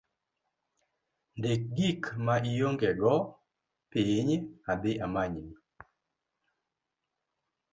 Ndik gik maionge go piny , adhi amanyni